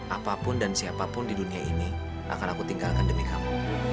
apapun dan siapapun di dunia ini akan aku tinggalkan demi kamu